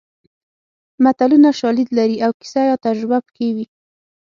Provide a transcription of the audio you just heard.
متلونه شالید لري او کیسه یا تجربه پکې وي